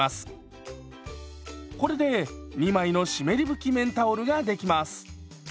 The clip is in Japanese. これで２枚の湿り拭き綿タオルができます。